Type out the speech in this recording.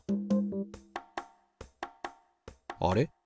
あれ？